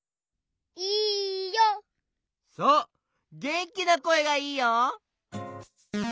げんきなこえがいいよ！